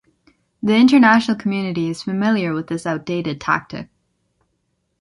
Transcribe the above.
The international community is familiar with this outdated tactic.